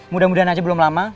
mudah mudahan aja belum lama